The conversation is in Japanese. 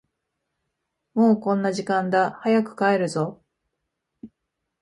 もうこんな時間だ、早く帰るぞ。